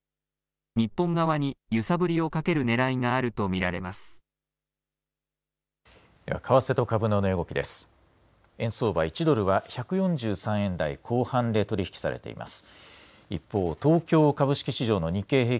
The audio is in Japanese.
日本側に揺さぶりをかけるねらいがあると見られます。